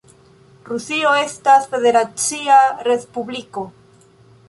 Rusio estas federacia respubliko.